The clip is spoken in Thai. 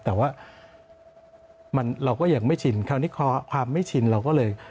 แต่ว่าเราก็ยังไม่ชินคราวนี้ความไม่ชินเราก็เลย